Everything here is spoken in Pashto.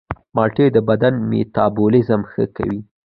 مالټې د بدن میتابولیزم ښه کوي.